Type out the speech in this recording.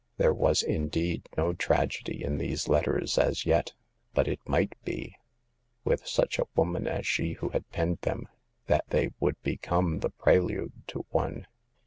There was, indeed, no tragedy in these letters as yet, but it might be — with such a woman as she who had penned them — that they would become the prelude to one.